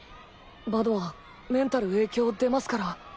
バドはメンタル影響出ますから。